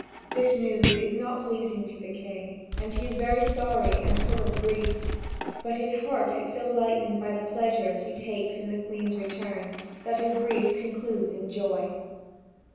This news is not pleasing to the King, and he is very sorry and full of grief; but his heart is so lightened by the pleasure he takes in the Queen's return, that his grief concludes in joy.